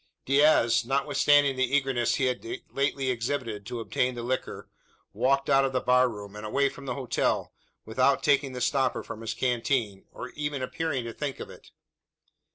Diaz, notwithstanding the eagerness he had lately exhibited to obtain the liquor, walked out of the bar room, and away from the hotel, without taking the stopper from his canteen, or even appearing to think of it!